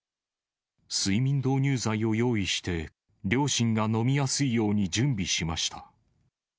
睡眠導入剤を用意して、両親が飲みやすいように準備しました。